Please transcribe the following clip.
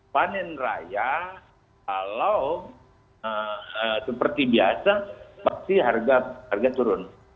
panen raya kalau seperti biasa pasti harga turun